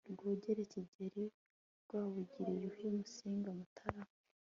rwogera kigeri rwabugiri yuhi musinga mutara